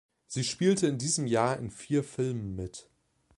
Sie spielte in diesem Jahr in vier Filmen mit.